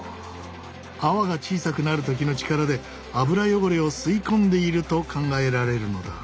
泡が小さくなる時の力で油汚れを吸い込んでいると考えられるのだ。